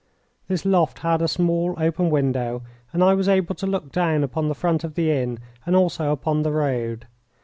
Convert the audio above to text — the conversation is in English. This loft had a small open window, and I was able to look down upon the front of the inn and also upon the road.